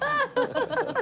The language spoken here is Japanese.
ハハハハハ！